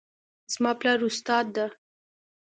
زما پلار استاد ده